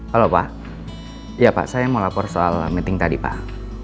halo pak ya pak saya mau lapor soal meeting tadi pak